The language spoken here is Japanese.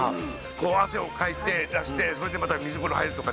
こう汗をかいて出してそれでまた水風呂入るとかって。